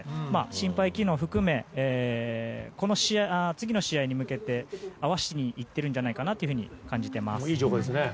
心肺機能含め次の試合に向けて合わせにいってるんじゃないかと感じてます。